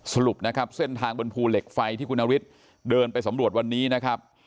สรุปนะครับเส้นทางบนภูเหล็กไฟที่คุณนฤทธิ์เดินไปสำรวจวันนี้นะครับ